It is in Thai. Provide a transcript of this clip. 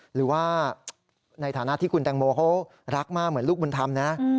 หรือว่าในฐานะที่คุณแตงโมเขารักมากเหมือนลูกบุญธรรมนะ